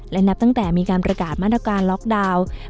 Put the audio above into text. และนับตั้งแต่มีการประกาศมาตรการล็อกดาวน์